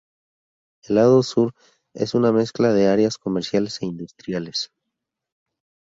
El lado sur es una mezcla de áreas comerciales e industriales.